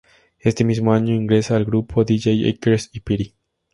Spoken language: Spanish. Este mismo año, ingresa al grupo Dj Acres y Piri.